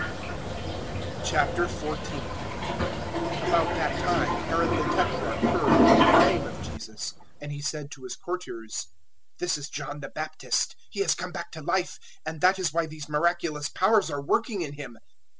014:001 About that time Herod the Tetrarch heard of the fame of Jesus, 014:002 and he said to his courtiers, "This is John the Baptist: he has come back to life and that is why these miraculous Powers are working in him."